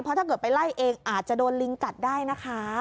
เพราะถ้าเกิดไปไล่เองอาจจะโดนลิงกัดได้นะคะ